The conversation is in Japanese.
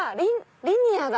リニアだ。